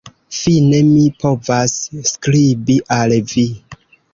Fine mi povas skribi al vi.